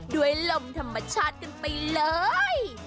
ลมธรรมชาติกันไปเลย